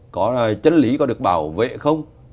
có chân lý có được bảo vệ không